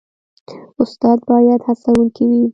استاد باید هڅونکی وي